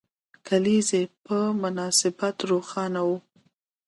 کلیزې په مناسبت روښانه وو.